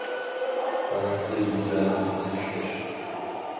Бадзэ и дзапэ узылъэщ.